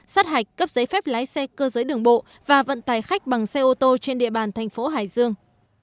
sát hạch cấp giấy phép lái xe cơ giới đường bộ và vận tài khách bằng xe ô tô trên địa bàn thành phố hải dương